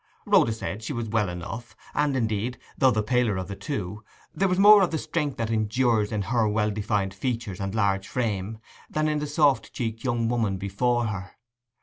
Rhoda said she was well enough; and, indeed, though the paler of the two, there was more of the strength that endures in her well defined features and large frame, than in the soft cheeked young woman before her.